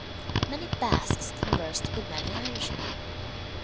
Many Basques conversed with many Irishmen.